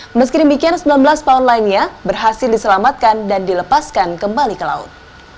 meski demikian sembilan belas paon lainnya berhasil diselamatkan dan dilepaskan kembali ke laut